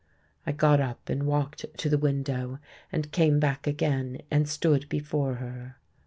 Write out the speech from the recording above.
I got up and walked to the window, and came back again and stood before her.